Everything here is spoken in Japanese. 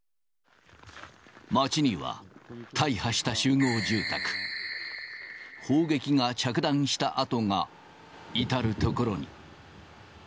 街には大破した集合住宅、砲撃が着弾した跡が至る所に。